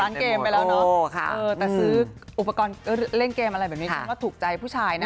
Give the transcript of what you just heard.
เกมไปแล้วเนอะแต่ซื้ออุปกรณ์เล่นเกมอะไรแบบนี้ฉันว่าถูกใจผู้ชายนะ